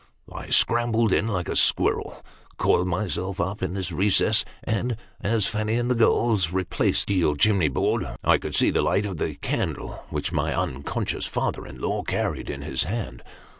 I scrambled in like a squirrel ; coiled myself up in this recess ; and, as Fanny and the girl replaced the deal chimney board, I could see the light of the candle which my unconscious father in law carried in his hand.